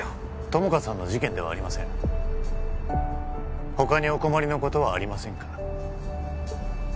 友果さんの事件ではありません他にお困りのことはありませんか？